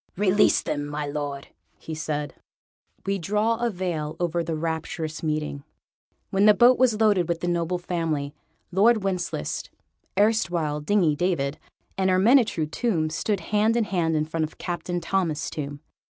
"Release them, my Lord," he said. We draw a veil over the rapturous meeting. When the boat was loaded with the noble family, Lord Wencheslaus (erstwhile Dingy David) and Ermyntrude Tomb stood hand in hand in front of Captain Thomas Tomb.